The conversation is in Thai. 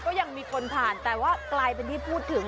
ก็ยังมีคนผ่านแต่ว่ากลายเป็นที่พูดถึง